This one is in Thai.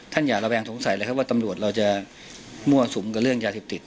อย่าระแวงสงสัยเลยครับว่าตำรวจเราจะมั่วสุมกับเรื่องยาเสพติด